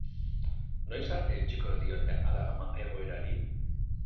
Noiz arte eutsiko diote alarma egoerari?